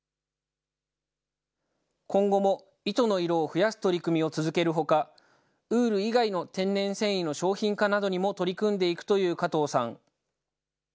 今後も糸の色を増やす取り組みを続けるほか、ウール以外の天然繊維の商品化などにも取り組んでいくという加藤さん。